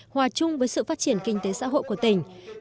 hòa chung với sự phát triển kinh tế xã hội của tỉnh